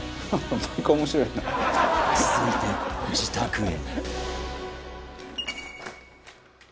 続いて自宅へ